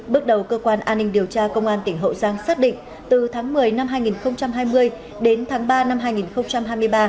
bước đầu cơ quan an ninh điều tra công an tỉnh hậu giang xác định từ tháng một mươi năm hai nghìn hai mươi đến tháng ba năm hai nghìn hai mươi ba